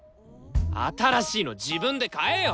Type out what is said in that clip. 新しいの自分で買えよ！